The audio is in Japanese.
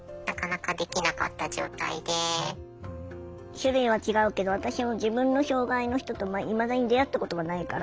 種類は違うけど私も自分の障害の人といまだに出会ったことがないから。